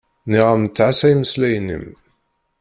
Nniɣ-am-d ttɛassa imeslayen-im.